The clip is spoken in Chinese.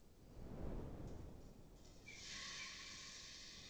伯扎讷人口变化图示